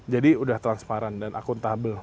jadi udah transparan dan akuntabel